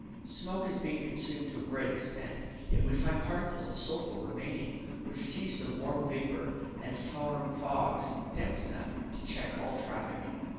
Smoke is being consumed to a great extent; yet we find particles of sulphur remaining, which seize the warm vapour and form fogs dense enough to check all traffic.